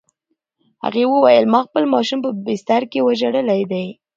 هغې وویل: "ما خپل ماشوم په بستر کې وژلی دی؟"